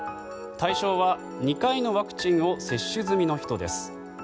対象は、２回のワクチンを接種済みの人です。